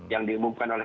yang diumumkan oleh